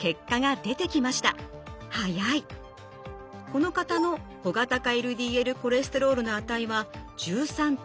この方の小型化ＬＤＬコレステロールの値は１３．７。